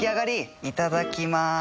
いただきます。